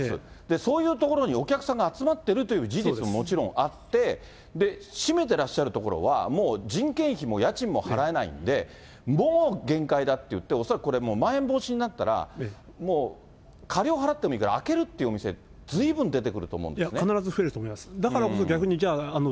そういう所にお客さんが集まってるという事実ももちろんあって、閉めてらっしゃるところは、もう人件費も家賃も払えないんで、もう限界だっていって、恐らくこれ、まん延防止になったら、もう、科料を払ってもいいから、開けるっていうお店、ずいぶん出てくる必ず出てくると思います。